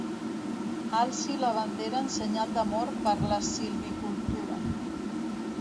Alci la bandera en senyal d'amor per la silvicultura.